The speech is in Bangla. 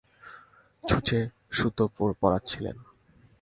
ছুঁচে সুতো পরাচ্ছিলেন!